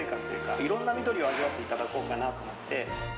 いろんな緑を味わっていただこうかなと思って。